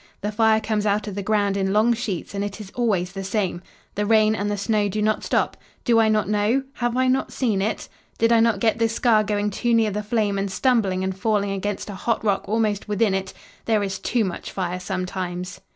The fire comes out of the ground in long sheets and it is always the same. The rain and the snow do not stop it. Do I not know? Have I not seen it? Did I not get this scar going too near the flame and stumbling and falling against a hot rock almost within it? There is too much fire sometimes!"